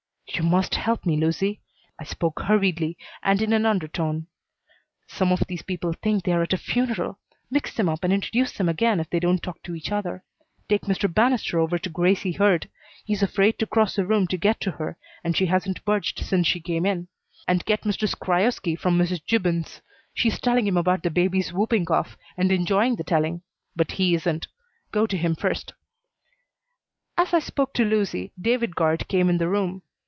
"You must help me, Lucy." I spoke hurriedly and in an undertone. "Some of these people think they're at a funeral. Mix them up and introduce them again if they don't talk to each other. Take Mr. Banister over to Gracie Hurd. He's afraid to cross the room to get to her and she hasn't budged since she came in. And get Mr. Schrioski from Mrs. Gibbons. She's telling him about the baby's whooping cough and enjoying the telling; but he isn't. Go to him first." As I spoke to Lucy, David Guard came in the room.